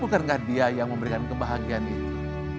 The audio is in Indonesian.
bukankah dia yang memberikan kebahagiaan itu